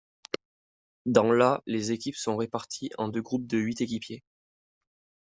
Dans la les équipes sont réparties en deux groupes de huit équipes.